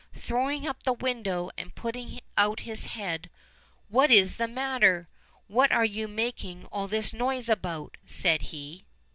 Throwing up the window, and putting out his head: "What is the matter? What are you making all this noise about?" said he.